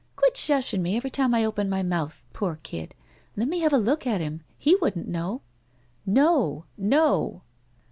*'Quit shushing me every time I open my mouth. Poor kid! Let me have a look at him. He wouldn't know." "No! No!"